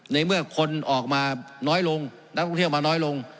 ในเมื่อคนออกมาน้อยลงนักท่องเที่ยวมาน้อยลง